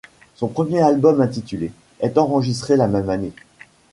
Son premier album intitulé ' est enregistré la même année.